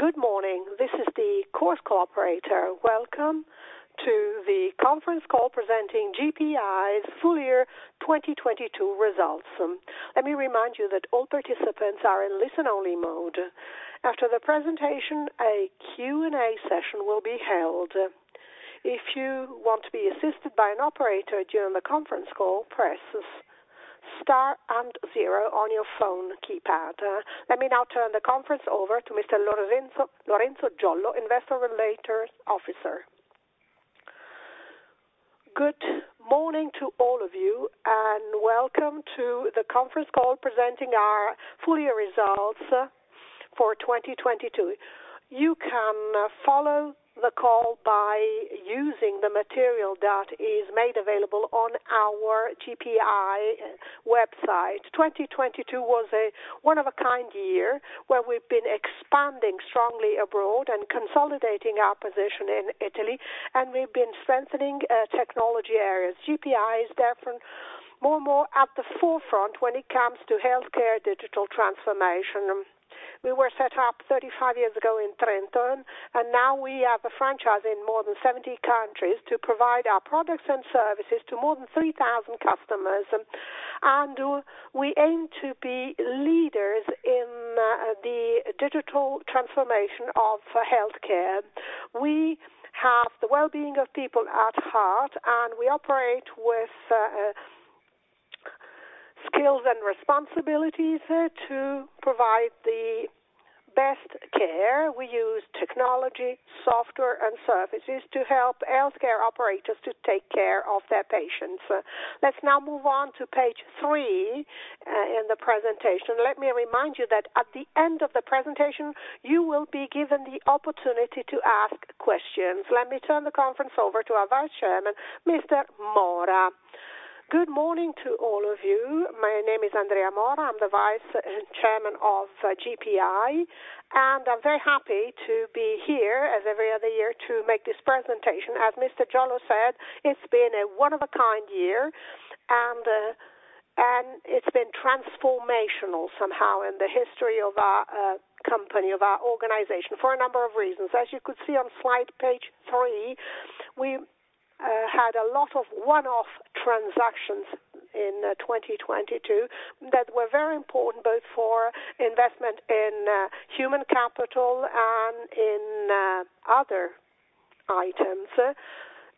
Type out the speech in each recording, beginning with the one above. Good morning. This is the Chorus Call operator. Welcome to the conference call presenting GPI's full year 2022 results. Let me remind you that all participants are in listen only mode. After the presentation, a Q&A session will be held. If you want to be assisted by an operator during the conference call, press star and zero on your phone keypad. Let me now turn the conference over to Mr. Lorenzo Giollo, Investor Relations Officer. Good morning to all of you, and welcome to the conference call presenting our full year results for 2022. You can follow the call by using the material that is made available on our GPI website. 2022 was a one of a kind year where we've been expanding strongly abroad and consolidating our position in Italy, and we've been strengthening technology areas. GPI is more and more at the forefront when it comes to healthcare digital transformation. We were set up 35 years ago in Trento. Now we have a franchise in more than 70 countries to provide our products and services to more than 3,000 customers. We aim to be leaders in the digital transformation of healthcare. We have the well-being of people at heart. We operate with skills and responsibilities to provide the best care. We use technology, software and services to help healthcare operators to take care of their patients. Let's now move on to page three in the presentation. Let me remind you that at the end of the presentation you will be given the opportunity to ask questions. Let me turn the conference over to our Vice Chairman, Mr. Mora. Good morning to all of you. My name is Andrea Mora. I'm the Vice Chairman of GPI. I'm very happy to be here as every other year to make this presentation. As Mr. Giollo said, it's been a one-of-a-kind year. It's been transformational somehow in the history of our company, of our organization for a number of reasons. As you could see on slide page three, we had a lot of one-off transactions in 2022 that were very important both for investment in human capital and in other items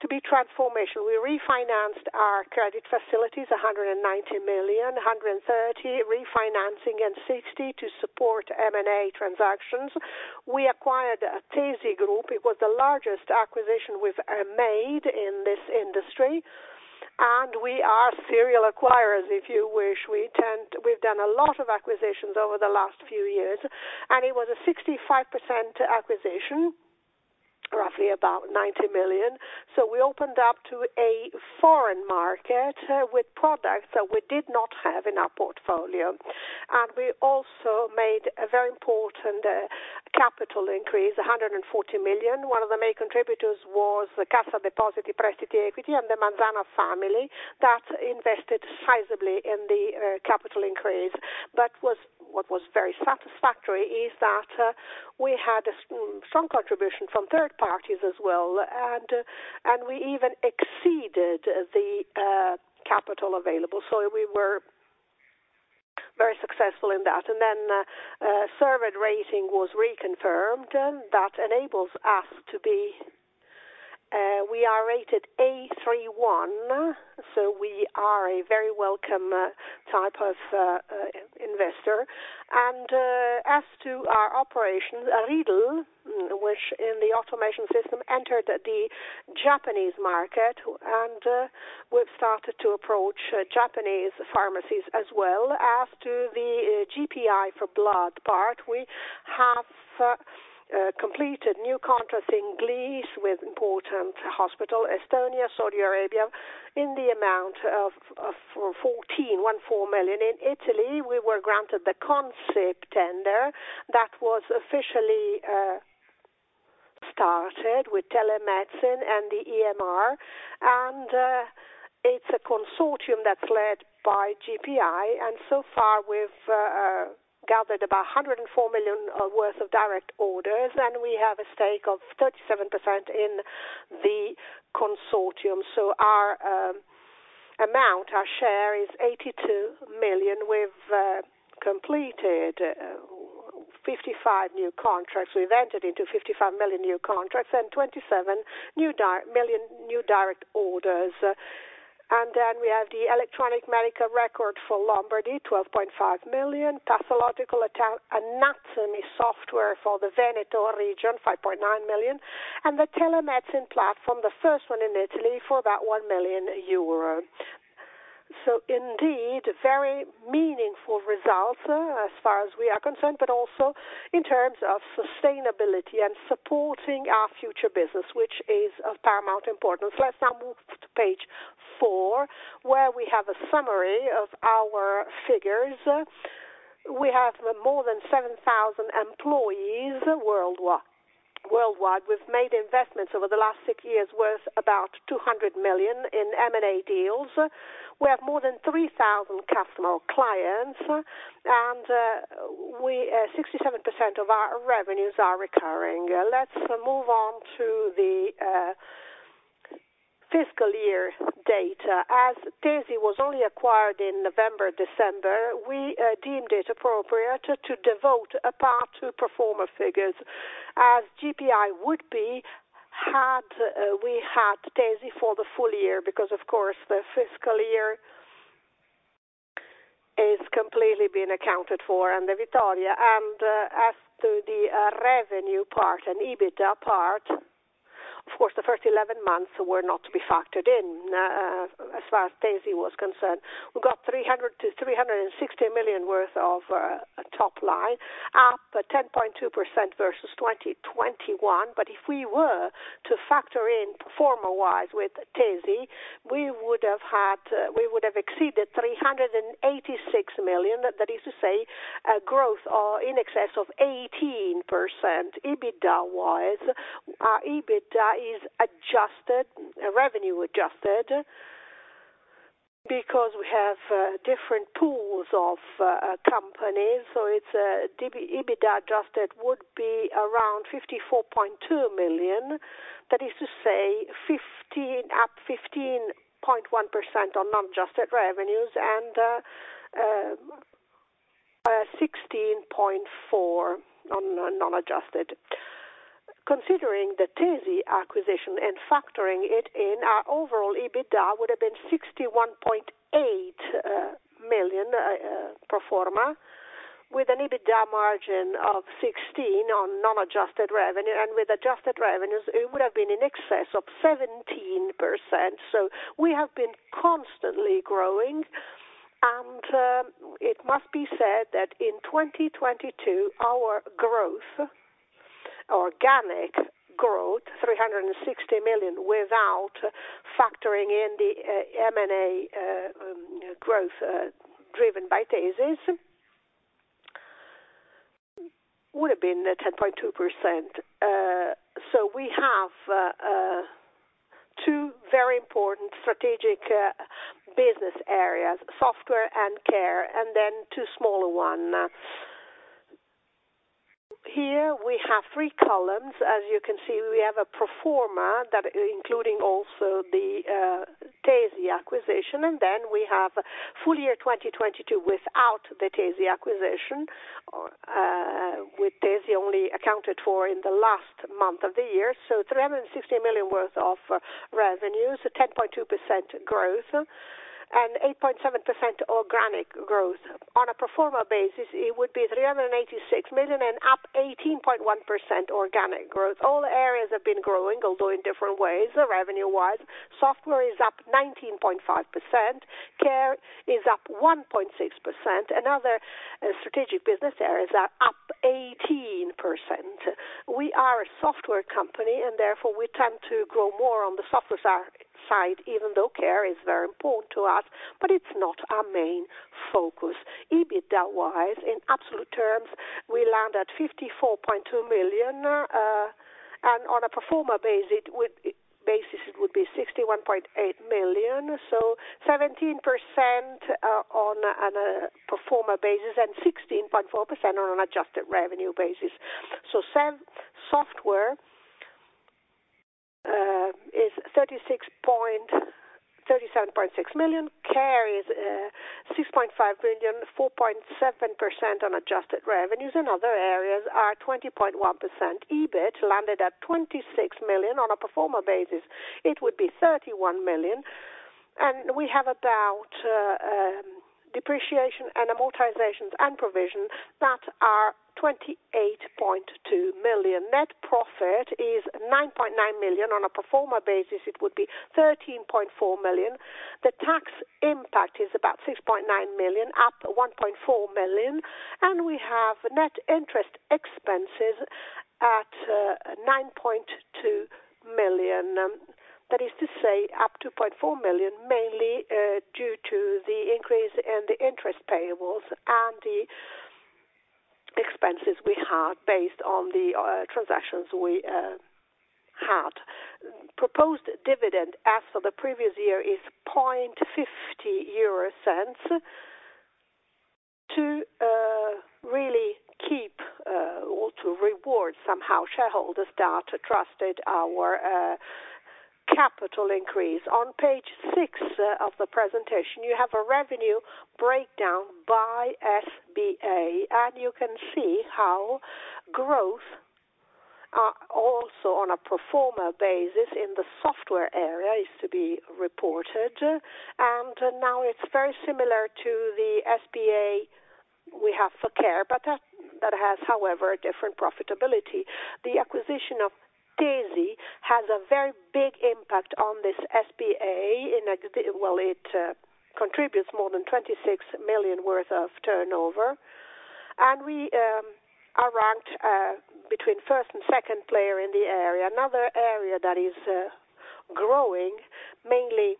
to be transformational. We refinanced our credit facilities, 190 million, 130 refinancing and 60 to support M&A transactions. We acquired Tesi Group. It was the largest acquisition we've made in this industry. We are serial acquirers if you wish. We've done a lot of acquisitions over the last few years. It was a 65% acquisition, roughly about 90 million. We opened up to a foreign market with products that we did not have in our portfolio. We also made a very important capital increase, 140 million. One of the main contributors was the Cassa Depositi e Prestiti Equity and the Manzana family that invested sizably in the capital increase. What was very satisfactory is that we had some contribution from third parties as well, and we even exceeded the capital available. We were very successful in that. Cerved rating was reconfirmed. That enables us to be, we are rated A3.1. We are a very welcome type of investor. As to our operations, Riedl, which in the automation system entered the Japanese market, and we've started to approach Japanese pharmacies as well. As to the GPI for blood part, we have completed new contracts in Greece with important hospital, Estonia, Saudi Arabia, in the amount of 14 million. In Italy, we were granted the Consip tender that was officially started with telemedicine and the EMR, it's a consortium that's led by GPI. So far we've gathered about 104 million worth of direct orders, and we have a stake of 37% in the consortium. Our amount, our share is 82 million. We've completed 55 new contracts. We've entered into 55 million new contracts and 27 million new direct orders. We have the Electronic Medical Record for Lombardy, 12.5 million. Pathological Anatomy software for the Veneto region, 5.9 million. The telemedicine platform, the first one in Italy for about 1 million euro. Indeed very meaningful results as far as we are concerned, but also in terms of sustainability and supporting our future business, which is of paramount importance. Let's now move to page four, where we have a summary of our figures. We have more than 7,000 employees worldwide, we've made investments over the last six years worth about 200 million in M&A deals. We have more than 3,000 customer clients, and we 67% of our revenues are recurring. Let's move on to the fiscal year data. As Tesi was only acquired in November, December, we deemed it appropriate to devote a part to pro forma figures as GPI would be had we had Tesi for the full year because, of course, the fiscal year is completely being accounted for under Vittoria. As to the revenue part and EBITDA part, of course, the first 11 months were not to be factored in as far as Tesi was concerned. We've got 300 million-360 million worth of top line, up 10.2% versus 2021. If we were to factor in pro forma-wise with Tesi, we would have had we would have exceeded 386 million. That is to say, growth or in excess of 18%. EBITDA-wise, our EBITDA is adjusted, revenue adjusted because we have different pools of companies. It's EBITDA adjusted would be around 54.2 million. That is to say 15, up 15.1% on non-adjusted revenues and 16.4% on non-adjusted. Considering the Tesi acquisition and factoring it in, our overall EBITDA would have been 61.8 million pro forma, with an EBITDA margin of 16% on non-adjusted revenue. With adjusted revenues, it would have been in excess of 17%. We have been constantly growing. It must be said that in 2022, our growth, organic growth, 360 million, without factoring in the M&A growth driven by Tesi, would have been 10.2%. We have two very important strategic business areas, software and care, and then two smaller one. Here we have three columns. As you can see, we have a pro forma that including also the Tesi acquisition. We have full year 2022 without the Tesi acquisition, with Tesi only accounted for in the last month of the year. 360 million worth of revenues, 10.2% growth, and 8.7% organic growth. On a pro forma basis, it would be 386 million and up 18.1% organic growth. All areas have been growing, although in different ways revenue-wise. Software is up 19.5%. Care is up 1.6%, and other strategic business areas are up 18%. We are a software company. Therefore we tend to grow more on the software side, even though Care is very important to us. It's not our main focus. EBITDA-wise, in absolute terms, we land at EUR million. On a pro forma basis, it would be EUR 61.8 million. Seventeen percent on a pro forma basis, and 16.4% on an adjusted revenue basis. Software is EUR 37.6 million. Care is EUR 6.5 million, 4.7% on adjusted revenues, and other areas are 20.1%. EBIT landed at 26 million. On a pro forma basis, it would be EUR 31 million. We have about depreciation and amortizations and provisions that are 28.2 million. Net profit is 9.9 million. On a pro forma basis, it would be 13.4 million. The tax impact is about 6.9 million, up 1.4 million. We have net interest expenses at 9.2 million. That is to say up 2.4 million, mainly due to the increase in the interest payables and the expenses we had based on the transactions we had. Proposed dividend as of the previous year is 0.50 to really keep or to reward somehow shareholders that trusted our capital increase. On page six of the presentation, you have a revenue breakdown by SBA. You can see how growth also on a pro forma basis in the software area is to be reported. Now it's very similar to the SBA we have for care, that has, however, a different profitability. The acquisition of Tesi has a very big impact on this SBA. It contributes more than 26 million worth of turnover. We are ranked between first and second player in the area. Another area that is growing mainly.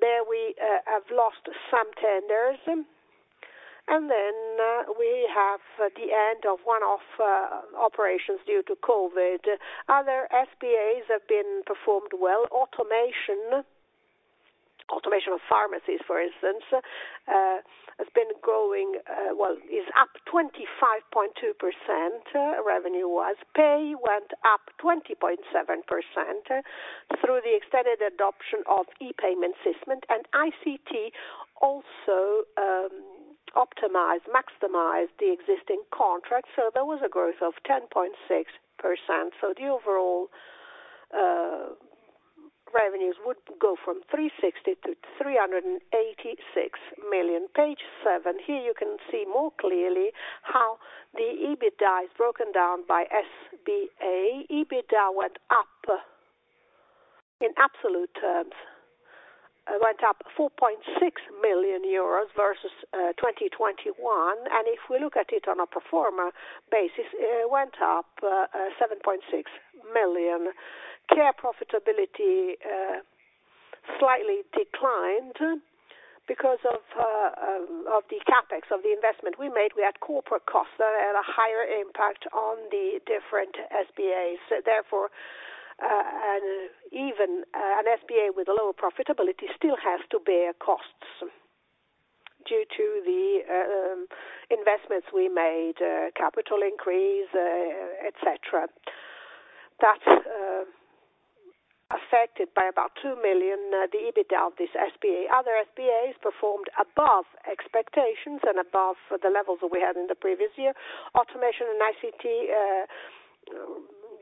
There we have lost some tenders. Then we have the end of one-off operations due to COVID. Other SBAs have been performed well. Automation of pharmacies, for instance, has been growing, is up 25.2% revenue-wise. Pay went up 20.7% through the extended adoption of e-payment system. ICT also optimized, maximized the existing contract, there was a growth of 10.6%. The overall revenues would go from 360 million-386 million. Page seven, here you can see more clearly how the EBITDA is broken down by SBA. EBITDA went up in absolute terms, went up 4.6 million euros versus 2021. If we look at it on a pro forma basis, it went up 7.6 million. care profitability slightly declined because of the CapEx of the investment we made. We had corporate costs that had a higher impact on the different SBAs. Therefore, an SBA with a lower profitability still has to bear costs due to the investments we made, capital increase, et cetera. That affected by about 2 million the EBITDA of this SBA. Other SBAs performed above expectations and above the levels that we had in the previous year. Automation and ICT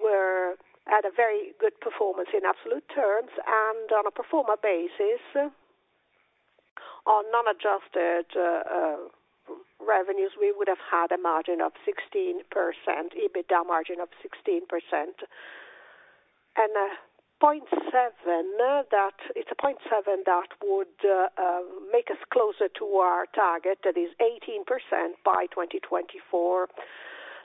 were at a very good performance in absolute terms. On a pro forma basis, on non-adjusted revenues, we would have had a margin of 16%, EBITDA margin of 16%. A 0.7%, it's a 0.7% that would make us closer to our target, that is 18% by 2024.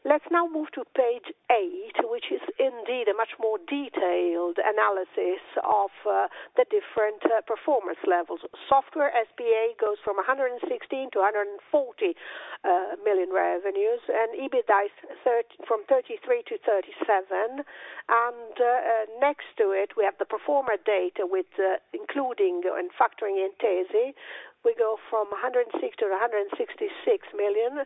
Let's now move to page eight, which is indeed a much more detailed analysis of the different performance levels. Software SBA goes from 116 million to 140 million revenues, and EBITDA is from 33 to 37. Next to it, we have the pro forma data with including and factoring in Tesi. We go from 106 million to 166 million,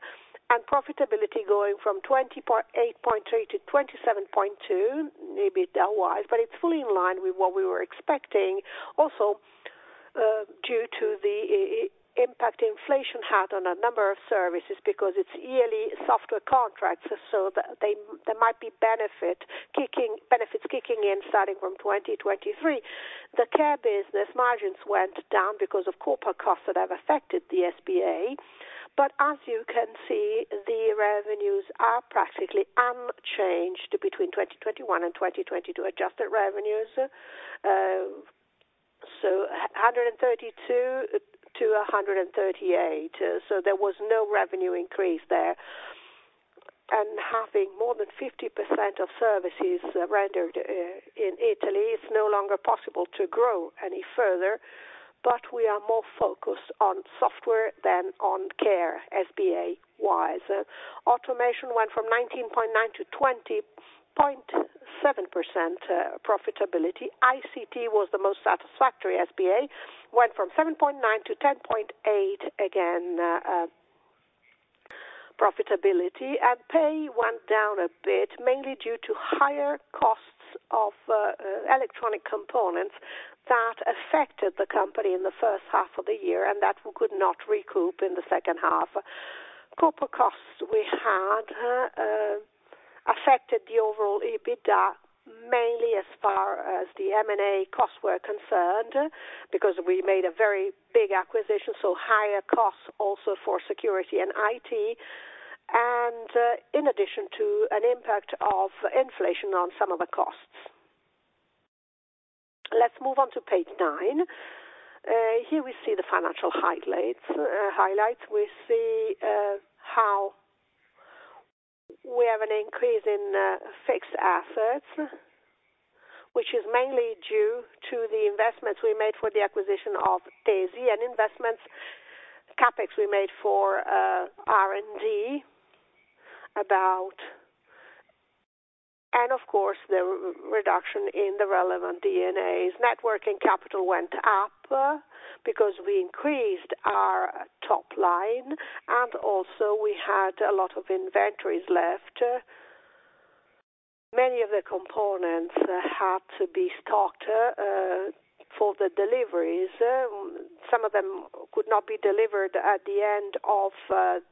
and profitability going from 8.3 million-27.2 million EBITDA-wise, but it's fully in line with what we were expecting. Also, due to the impact inflation had on a number of services because it's yearly software contracts, so there might be benefits kicking in starting from 2023. The care business margins went down because of corporate costs that have affected the SBA. As you can see, the revenues are practically unchanged between 2021 and 2022 adjusted revenues. 132 million-138 million. There was no revenue increase there. Having more than 50% of services rendered in Italy, it's no longer possible to grow any further. We are more focused on software than on care, SBA-wise. Automation went from 19.9%-20.7% profitability. ICT was the most satisfactory SBA, went from 7.9% to 10.8%, again, profitability. Pay went down a bit, mainly due to higher costs of electronic components that affected the company in the first half of the year, and that we could not recoup in the second half. Corporate costs we had affected the overall EBITDA, mainly as far as the M&A costs were concerned, because we made a very big acquisition, so higher costs also for security and IT, and in addition to an impact of inflation on some of the costs. Let's move on to page nine. Here we see the financial highlights. We see how we have an increase in fixed assets, which is mainly due to the investments we made for the acquisition of Tesi, and investments CapEx we made for R&D and of course, the reduction in the relevant D&As. Net working capital went up because we increased our top line, and also we had a lot of inventories left. Many of the components had to be stocked for the deliveries. Some of them could not be delivered at the end of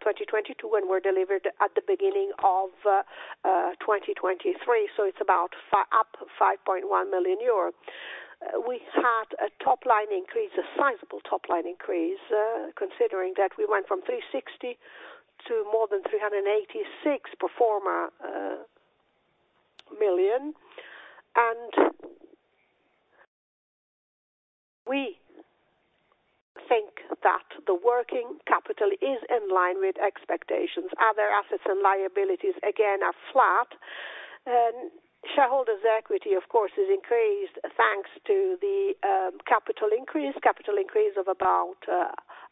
2022 and were delivered at the beginning of 2023. It's about up 5.1 million euros. We had a top line increase, a sizable top line increase, considering that we went from 360 million to more than 386 million pro forma. We think that the working capital is in line with expectations. Other assets and liabilities, again, are flat. Shareholders equity, of course, has increased thanks to the capital increase of about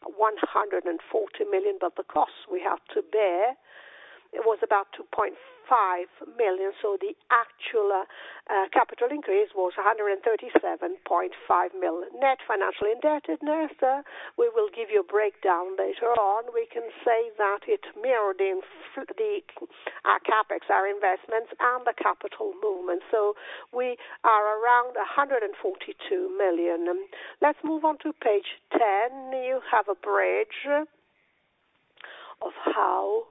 140 million. The cost we have to bear it was about 2.5 million. The actual capital increase was 137.5 mil net financial indebtedness. We will give you a breakdown later on. We can say that it mirrored our CapEx, our investments and the capital movement. We are around 142 million. Let's move on to page 10. You have a bridge of how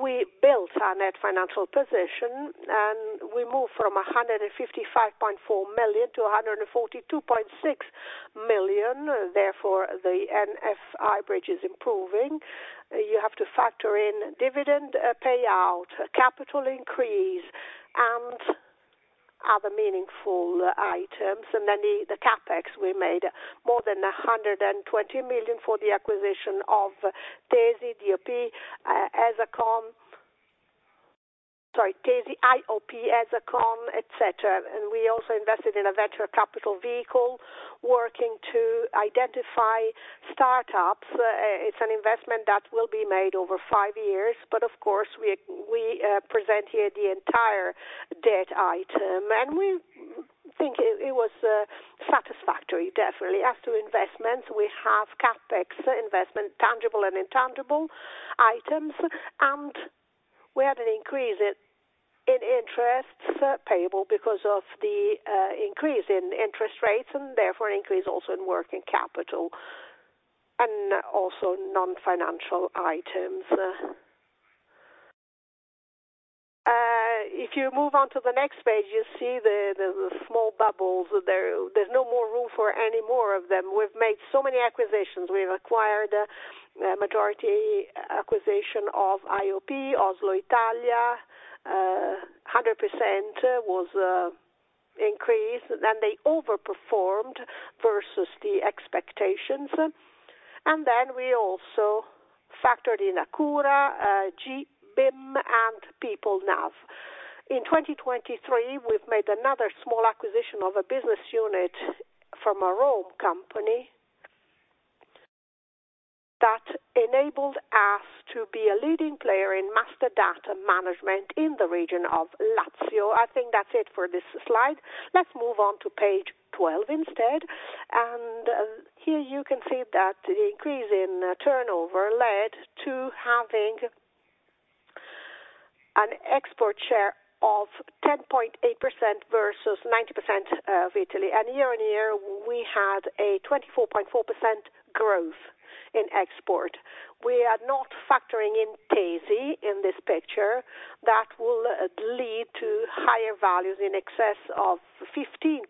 we built our net financial position, and we moved from 155.4 million to 142.6 million. Therefore, the NFI bridge is improving. You have to factor in dividend payout, capital increase, and other meaningful items. The CapEx, we made more than 120 million for the acquisition of Tesi, IOP, Esakon, sorry, Tesi, IOP, Esakon, et cetera. We also invested in a venture capital vehicle working to identify startups. It's an investment that will be made over five years. Of course, we present here the entire debt item. We think it was satisfactory, definitely. As to investments, we have CapEx investment, tangible and intangible items, and we had an increase in interest payable because of the increase in interest rates, and therefore an increase also in working capital and also non-financial items. If you move on to the next page, you see the small bubbles there. There's no more room for any more of them. We've made so many acquisitions. We've acquired a majority acquisition of IOP, Oslo Italia, 100% was increased. They overperformed versus the expectations. We also factored in Accura, Gbim, and Peoplenav. In 2023, we've made another small acquisition of a business unit from a Rome company that enabled us to be a leading player in master data management in the region of Lazio. I think that's it for this slide. Let's move on to page 12 instead. Here you can see that the increase in turnover led to having an export share of 10.8% versus 90% of Italy. Year-over-year we had a 24.4% growth in export. We are not factoring in Tesi in this picture. That will lead to higher values in excess of 15%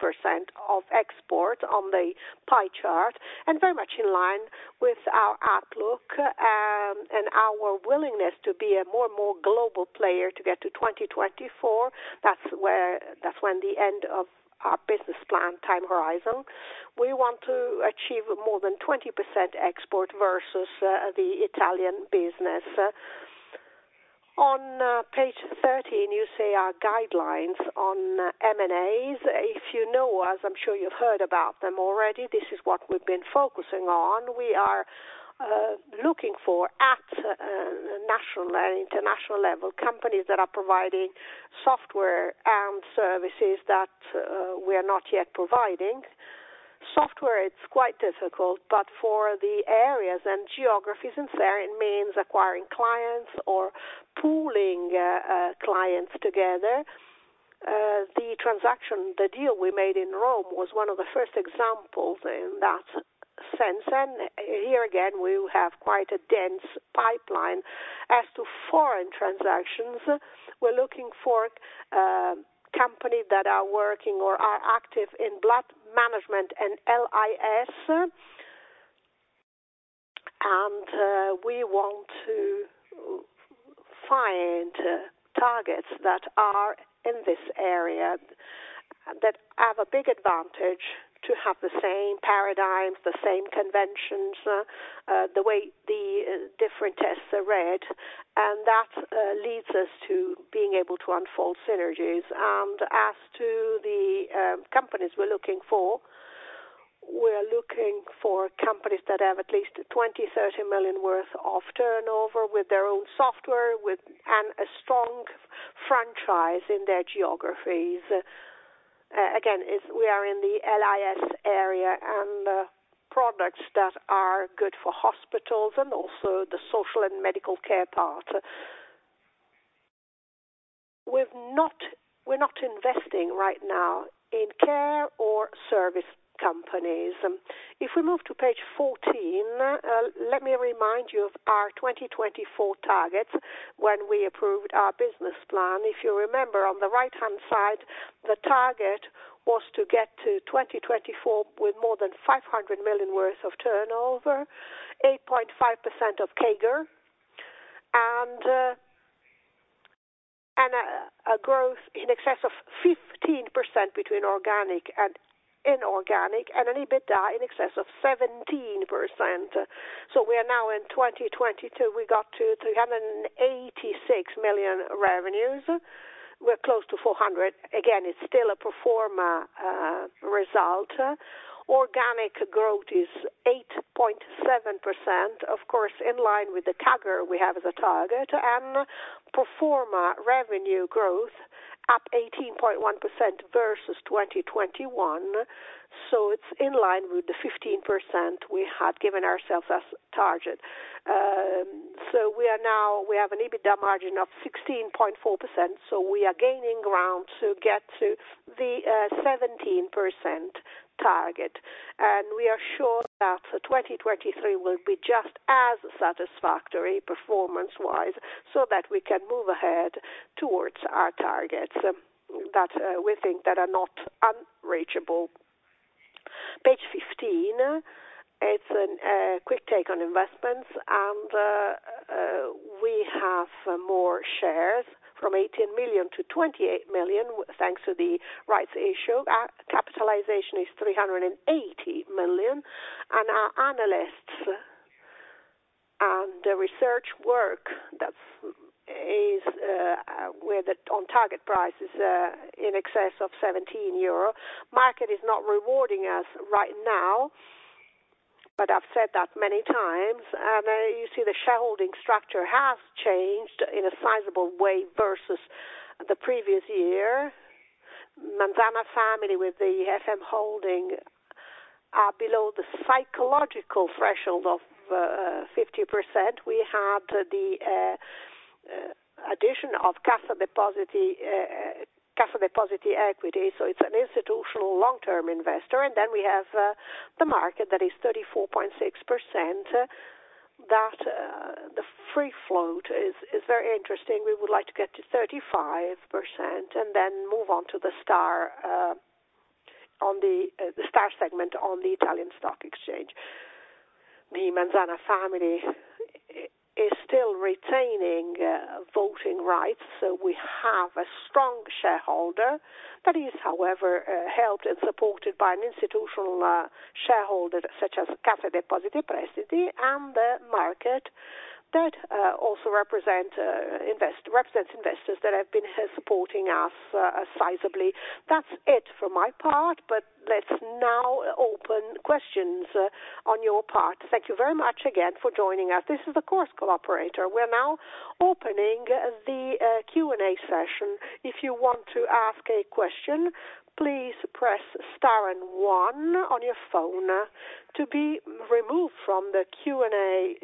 of export on the pie chart. Very much in line with our outlook, and our willingness to be a more and more global player to get to 2024. That's when the end of our business plan time horizon. We want to achieve more than 20% export versus the Italian business. On page 13, you see our guidelines on M&As. If you know, as I'm sure you've heard about them already, this is what we've been focusing on. We are looking for at a national and international level, companies that are providing software and services that we are not yet providing. Software it's quite difficult, but for the areas and geographies in there, it means acquiring clients or pooling clients together. The transaction, the deal we made in Rome was one of the first examples in that sense. Here again, we have quite a dense pipeline. As to foreign transactions, we're looking for companies that are working or are active in blood management and LIS. We want to find targets that are in this area that have a big advantage to have the same paradigms, the same conventions, the way the different tests are read. That leads us to being able to unfold synergies. As to the companies we're looking for, we're looking for companies that have at least 20 million-30 million worth of turnover with their own software and a strong franchise in their geographies. Again, if we are in the LIS area and products that are good for hospitals and also the social and medical care part. We're not investing right now in care or service companies. If we move to page 14, let me remind you of our 2024 targets when we approved our business plan. If you remember, on the right-hand side, the target was to get to 2024 with more than 500 million worth of turnover, 8.5% of CAGR, and a growth in excess of 15% between organic and inorganic, and an EBITDA in excess of 17%. We are now in 2022, we got to 386 million revenues. We're close to 400 million. Again, it's still a pro forma result. Organic growth is 8.7%, of course, in line with the CAGR we have as a target, and pro forma revenue growth up 18.1% versus 2021. It's in line with the 15% we had given ourselves as a target. We have an EBITDA margin of 16.4%, so we are gaining ground to get to the 17% target. We are sure that 2023 will be just as satisfactory performance-wise so that we can move ahead towards our targets that we think that are not unreachable. Page 15. It's an quick take on investments, we have more shares from 18 million-28 million thanks to the rights issue. Capitalization is 380 million. Our analysts and the research work that is where the on target price is in excess of 17 euro. Market is not rewarding us right now, I've said that many times. You see the shareholding structure has changed in a sizable way versus the previous year. Manzana family with the FM holding are below the psychological threshold of 50%. We had the addition of Cassa Depositi Equity, so it's an institutional long-term investor. We have the market that is 34.6%. The free float is very interesting. We would like to get to 35% and then move on to the STAR segment on the Italian Stock Exchange. The Manzana family is still retaining voting rights, so we have a strong shareholder that is, however, helped and supported by an institutional shareholder such as Cassa Depositi e Prestiti and the market that also represents investors that have been supporting us sizably. That's it for my part. Let's now open questions on your part. Thank you very much again for joining us. This is the Chorus Call operator. We're now opening the Q&A session. If you want to ask a question, please press star and one on your phone. To be removed from the Q&A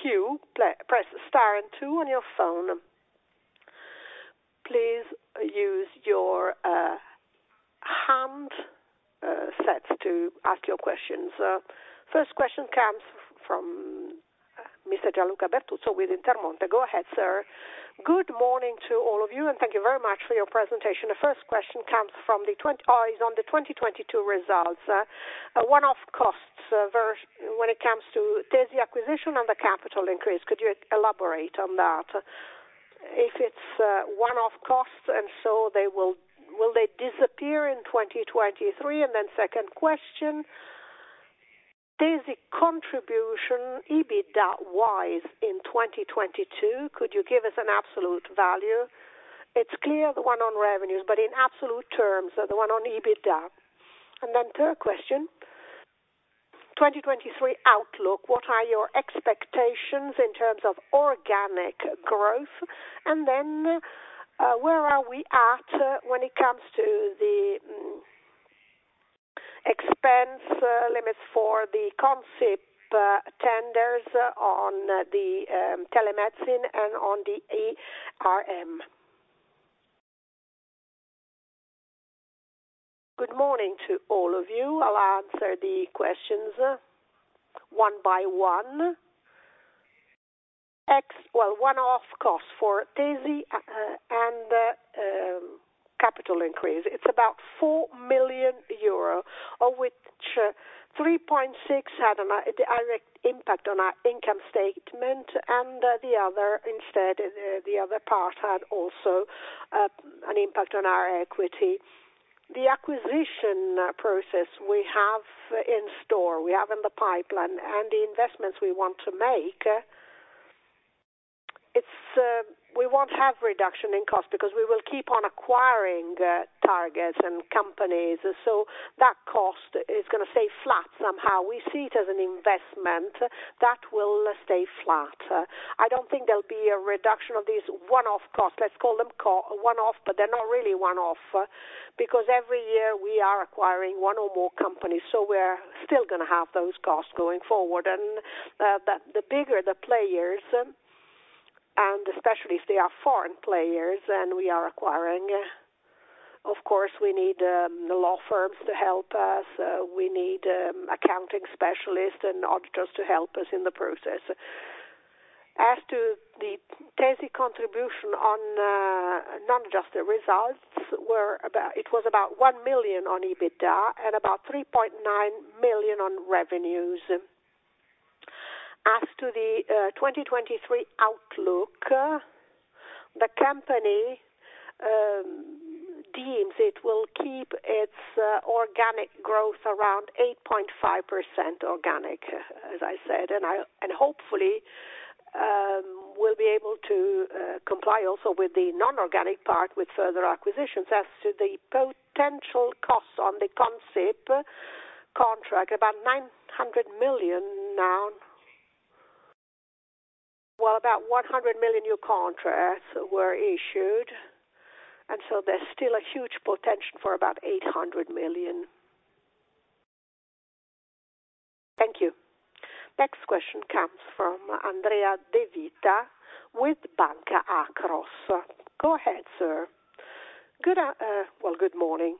queue, press star and two on your phone. Please use your handset to ask your questions. First question comes from Mr. Gianluca Bertuzzo with Intermonte. Go ahead, sir. Good morning to all of you. Thank you very much for your presentation. The first question comes from the or is on the 2022 results. One-off costs when it comes to Tesi acquisition and the capital increase, could you elaborate on that? If it's one-off costs, will they disappear in 2023? Second question, Tesi contribution EBITDA wise in 2022, could you give us an absolute value? It's clear the one on revenues, but in absolute terms, the one on EBITDA. Third question, 2023 outlook, what are your expectations in terms of organic growth? Where are we at when it comes to the expense limits for the Consip tenders on the telemedicine and on the ARM. Good morning to all of you. I'll answer the questions one by one. Well, one-off costs for Tesi and capital increase, it's about 4 million euro, of which 3.6 had a direct impact on our income statement, and the other instead, the other part had also an impact on our equity. The acquisition process we have in store, we have in the pipeline, and the investments we want to make, it's, we won't have reduction in cost because we will keep on acquiring targets and companies. That cost is gonna stay flat somehow. We see it as an investment that will stay flat. I don't think there'll be a reduction of these one-off costs. Let's call them one-off, they're not really one-off, because every year we are acquiring one or more companies, we're still gonna have those costs going forward. The bigger the players, and especially if they are foreign players, and we are acquiring, of course, we need law firms to help us. We need accounting specialists and auditors to help us in the process. As to the Tesi contribution on, not just the results, it was about 1 million on EBITDA and about 3.9 million on revenues. As to the 2023 outlook, the company deems it will keep its organic growth around 8.5% organic, as I said, and hopefully, we'll be able to comply also with the non-organic part with further acquisitions. As to the potential costs on the Consip contract, about 900 million now. Well, about 100 million new contracts were issued, and so there's still a huge potential for about 800 million. Thank you. Next question comes from Andrea De Vita with Banca Akros. Go ahead, sir. Well, good morning.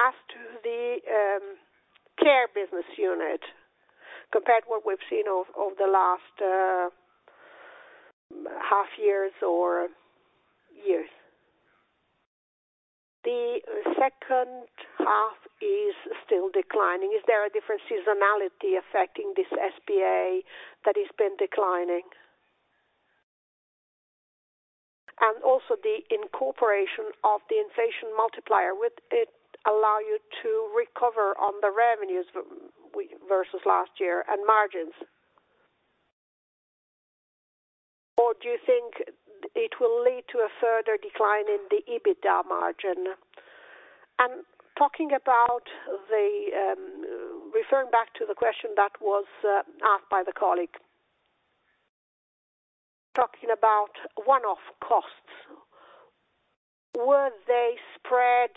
As to the Care business unit, compared to what we've seen over the last half years or years. The second half is still declining. Is there a different seasonality affecting this SBA that has been declining? Would it allow you to recover on the revenues versus last year and margins? Do you think it will lead to a further decline in the EBITDA margin? Talking about the, referring back to the question that was asked by the colleague. Talking about one-off costs, were they spread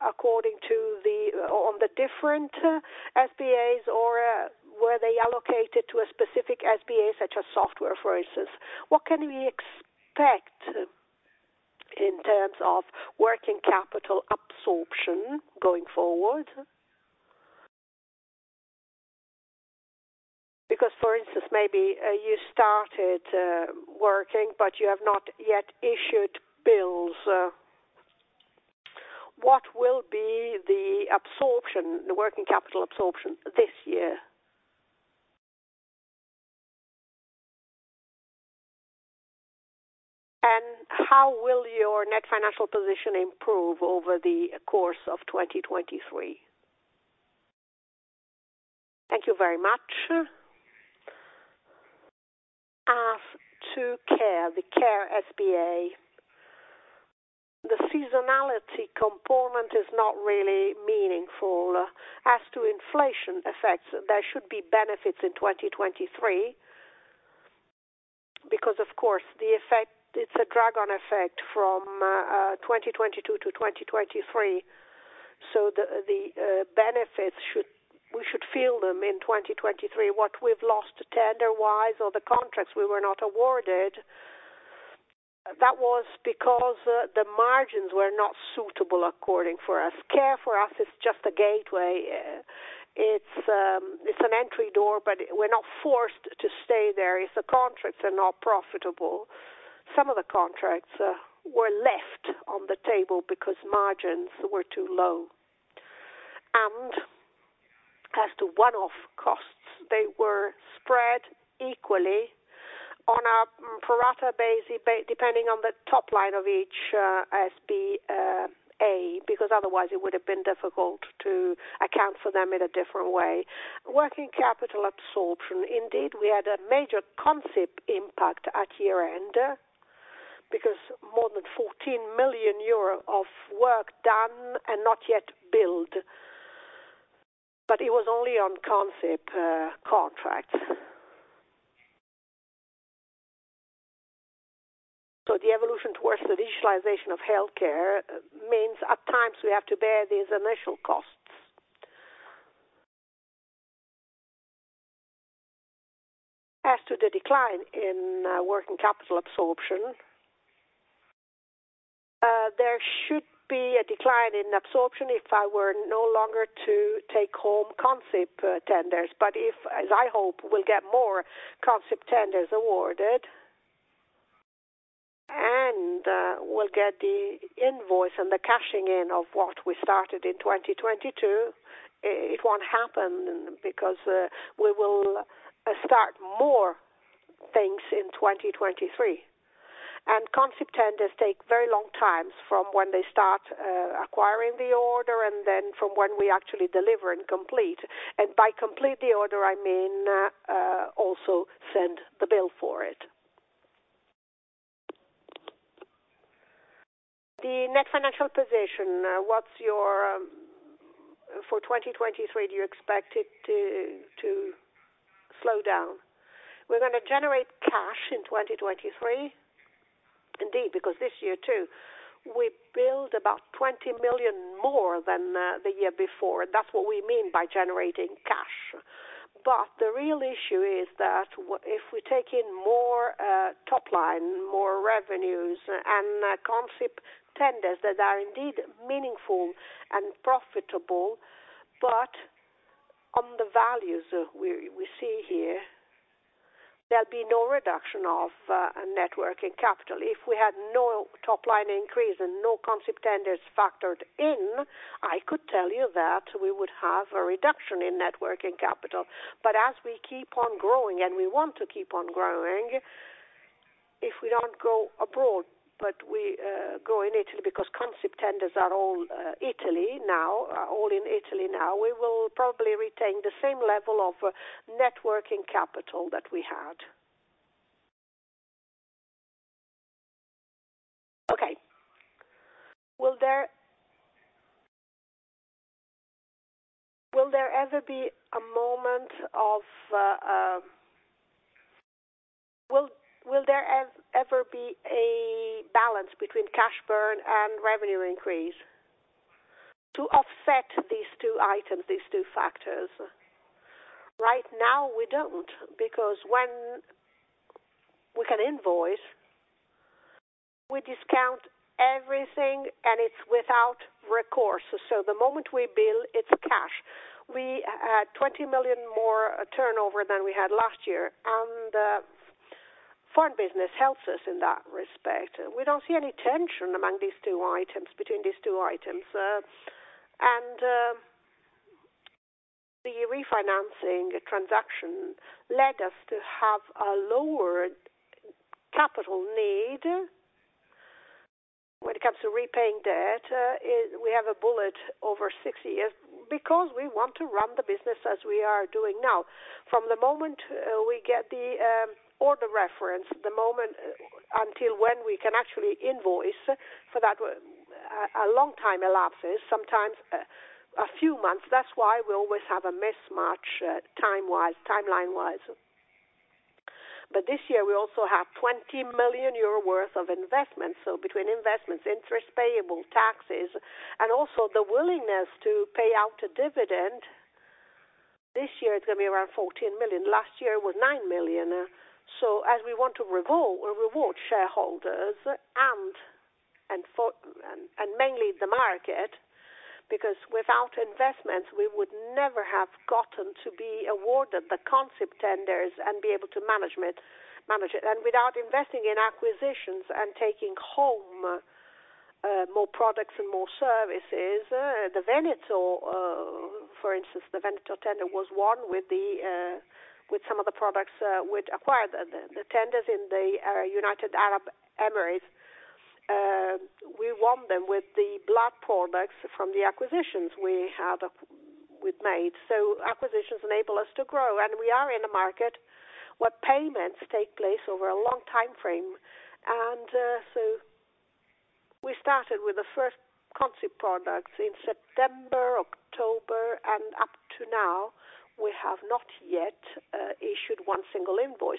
according to the, on the different SBAs, or were they allocated to a specific SBA, such as software, for instance? What can we expect in terms of working capital absorption going forward? For instance, maybe, you started working, but you have not yet issued bills. What will be the absorption, the working capital absorption this year? How will your net financial position improve over the course of 2023? Thank you very much. As to Care, the Care SBA, the seasonality component is not really meaningful. As to inflation effects, there should be benefits in 2023 because of course, the effect, it's a drag on effect from 2022-2023. The benefits we should feel them in 2023. What we've lost tender-wise or the contracts we were not awarded, that was because the margins were not suitable according for us. Care for us is just a gateway. It's an entry door, but we're not forced to stay there. If the contracts are not profitable, some of the contracts were left on the table because margins were too low. As to one-off costs, they were spread equally on a pro rata depending on the top line of each SBA, because otherwise it would have been difficult to account for them in a different way. Working capital absorption, indeed, we had a major Consip impact at year-end because more than 14 million euro of work done and not yet billed, but it was only on Consip contracts. The evolution towards the digitalization of healthcare means at times we have to bear these initial costs. As to the decline in working capital absorption, there should be a decline in absorption if I were no longer to take home Consip tenders. If, as I hope, we'll get more Consip tenders awarded, we'll get the invoice and the cashing in of what we started in 2022, it won't happen because we will start more things in 2023. Consip tenders take very long times from when they start acquiring the order and then from when we actually deliver and complete. By complete the order, I mean, also send the bill for it. The Net Financial Position, what's your for 2023, do you expect it to slow down? We're gonna generate cash in 2023, indeed, because this year too, we billed about 20 million more than the year before, and that's what we mean by generating cash. The real issue is that if we take in more top line, more revenues and Consip tenders that are indeed meaningful and profitable, on the values we see here. There'll be no reduction of networking capital. If we had no top line increase and no Consip tenders factored in, I could tell you that we would have a reduction in networking capital. As we keep on growing, and we want to keep on growing, if we don't go abroad, but we go in Italy because Consip tenders are all Italy now, all in Italy now, we will probably retain the same level of networking capital that we had. Okay. Will there ever be a moment of balance between cash burn and revenue increase to offset these two items, these two factors? Right now we don't, because when we can invoice, we discount everything and it's without recourse. The moment we bill, it's cash. We had 20 million more turnover than we had last year, and foreign business helps us in that respect. We don't see any tension among these two items, between these two items. The refinancing transaction led us to have a lower capital need when it comes to repaying debt. We have a bullet over six years because we want to run the business as we are doing now. From the moment we get the order reference, the moment until when we can actually invoice for that, a long time elapses, sometimes a few months. That's why we always have a mismatch time-wise, timeline-wise. This year, we also have 20 million euro worth of investments. Between investments, interest payable, taxes, and also the willingness to pay out a dividend, this year it's gonna be around 14 million. Last year it was 9 million. As we want to revolve or reward shareholders and mainly the market, because without investments, we would never have gotten to be awarded the Consip tenders and be able to manage it. Without investing in acquisitions and taking home more products and more services, the Veneto, for instance, the Veneto tender was won with some of the products we'd acquired. The tenders in the United Arab Emirates, we won them with the blood products from the acquisitions we'd made. Acquisitions enable us to grow, and we are in a market where payments take place over a long time frame. We started with the first concept products in September, October, and up to now, we have not yet issued one single invoice.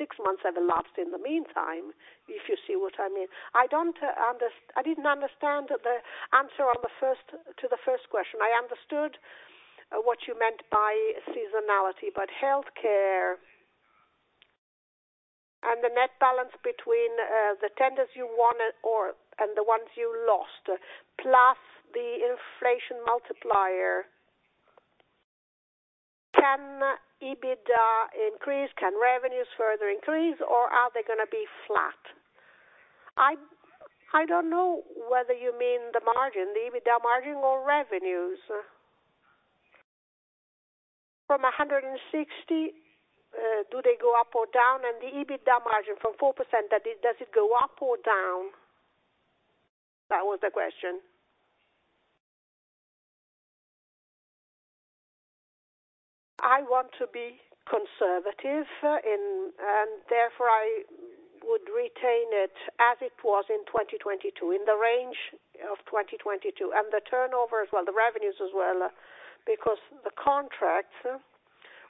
Six months have elapsed in the meantime, if you see what I mean. I didn't understand the answer on the first, to the first question. I understood what you meant by seasonality, healthcare and the net balance between the tenders you won or, and the ones you lost, plus the inflation multiplier, can EBITDA increase? Can revenues further increase, or are they gonna be flat? I don't know whether you mean the margin, the EBITDA margin or revenues. From 160, do they go up or down? The EBITDA margin from 4%, that is, does it go up or down? That was the question. I want to be conservative in. Therefore, I would retain it as it was in 2022, in the range of 2022, and the turnover as well, the revenues as well, because the contracts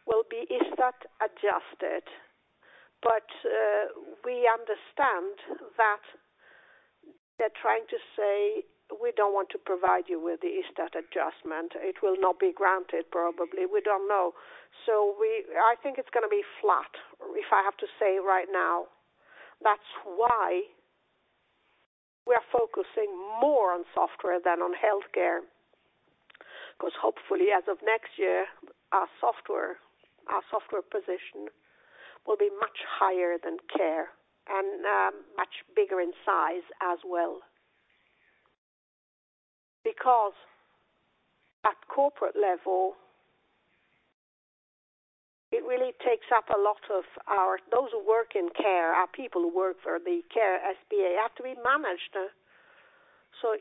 will be Istat adjusted. We understand that they're trying to say, we don't want to provide you with the Istat adjustment. It will not be granted probably. We don't know. I think it's gonna be flat, if I have to say right now. That's why we are focusing more on software than on healthcare. 'Cause hopefully, as of next year, our software position will be much higher than care and much bigger in size as well. At corporate level, it really takes up a lot of our. Those who work in care, our people who work for the Care SPA, have to be managed.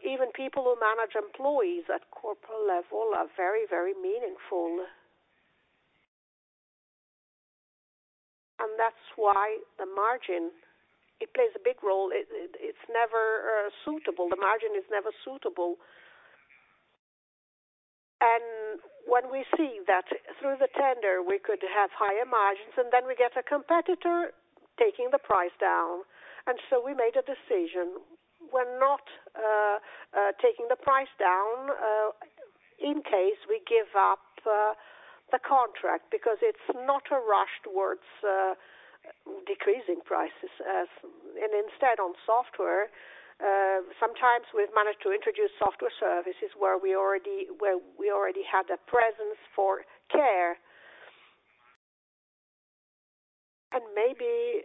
Even people who manage employees at corporate level are very meaningful. That's why the margin, it plays a big role. It's never suitable. The margin is never suitable. When we see that through the tender, we could have higher margins, we get a competitor taking the price down, we made a decision. We're not taking the price down in case we give up the contract because it's not a rush towards decreasing prices. Instead on software, sometimes we've managed to introduce software services where we already had a presence for care. Maybe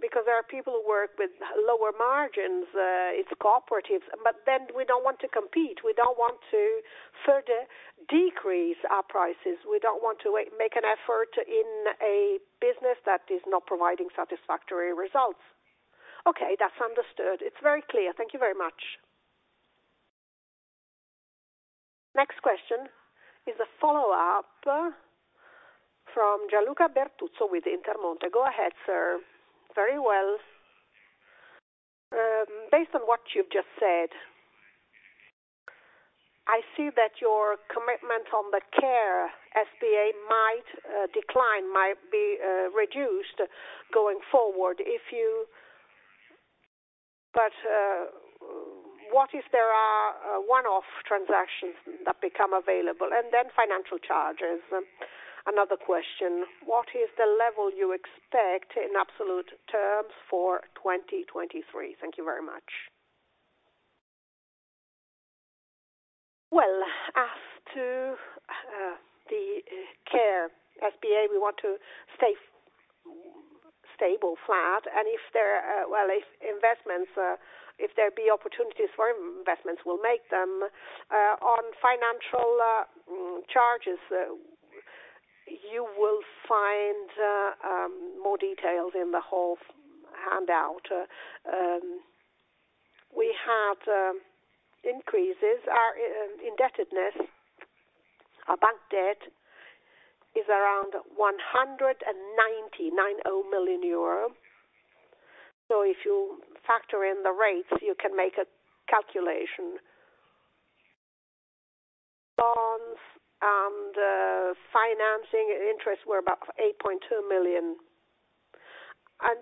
because there are people who work with lower margins, it's cooperatives, we don't want to compete. We don't want to further decrease our prices. We don't want to make an effort in a business that is not providing satisfactory results. Okay, that's understood. It's very clear. Thank you very much. Next question is a follow-up from Gianluca Bertuzzo with Intermonte. Go ahead, sir. Very well. Based on what you've just said, I see that your commitment on the Care SBA might decline, might be reduced going forward. What if there are one-off transactions that become available? Then financial charges, another question. What is the level you expect in absolute terms for 2023? Thank you very much. Well, as to the Care SBA, we want to stay stable, flat, if there, well, if investments, if there be opportunities for investments, we'll make them. On financial charges, you will find more details in the whole handout. We had increases. Our indebtedness, our bank debt is around 190 million euro. If you factor in the rates, you can make a calculation. Bonds and financing interest were about 8.2 million.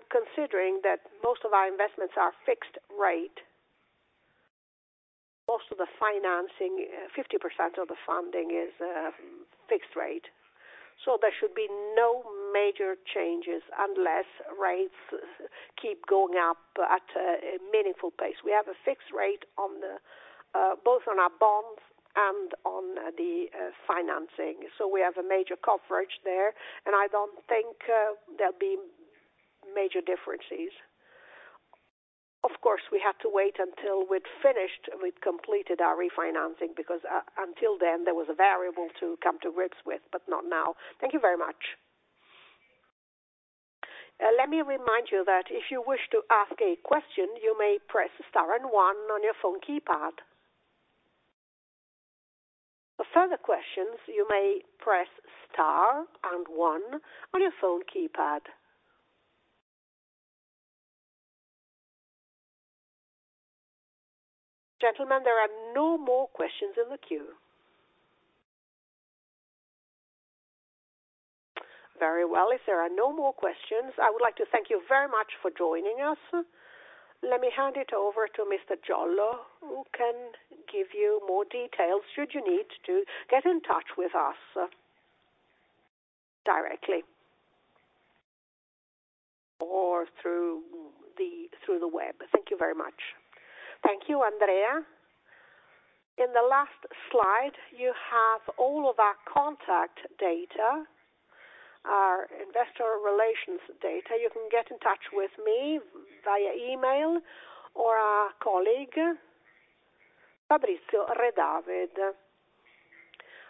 Considering that most of our investments are fixed rate, most of the financing, 50% of the funding is fixed rate. There should be no major changes unless rates keep going up at a meaningful pace. We have a fixed rate on the both on our bonds and on the financing, so we have a major coverage there, and I don't think there'll be major differences. Of course, we have to wait until we've finished, we've completed our refinancing because until then, there was a variable to come to grips with, but not now. Thank you very much. Let me remind you that if you wish to ask a question, you may press star 1 on your phone keypad. For further questions, you may press star one on your phone keypad. Gentlemen, there are no more questions in the queue. Very well. If there are no more questions, I would like to thank you very much for joining us. Let me hand it over to Mr. Giollo, who can give you more details should you need to get in touch with us directly. Or through the web. Thank you very much. Thank you, Andrea. In the last slide, you have all of our contact data, our investor relations data. You can get in touch with me via email or our colleague, Fabrizio Redavid.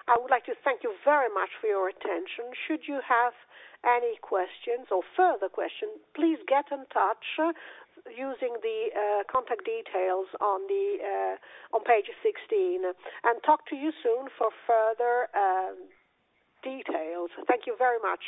I would like to thank you very much for your attention. Should you have any questions or further questions, please get in touch using the contact details on the on page 16, and talk to you soon for further details. Thank you very much.